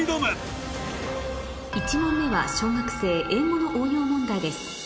１問目は小学生英語の応用問題です